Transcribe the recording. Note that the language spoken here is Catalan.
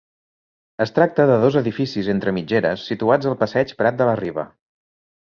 Es tracta de dos edificis entre mitgeres situats al passeig Prat de la Riba.